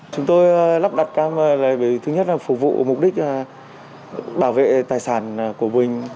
chúng tôi lắp đặt camera thứ nhất là phục vụ mục đích bảo vệ tài sản của mình